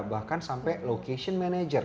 bahkan sampai location manager